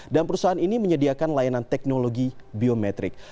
dan perusahaan ini menyediakan layanan teknologi biometrik